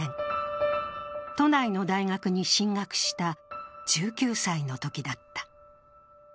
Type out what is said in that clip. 都内の大学に進学した１９歳のときだった。